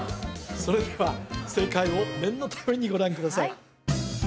それでは正解を念のためにご覧ください